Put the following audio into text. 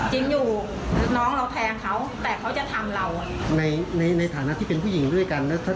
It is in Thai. หน้าคนนี้เฉยแต่ว่าลึกเพราะยังไงเราก็ไม่รู้นะ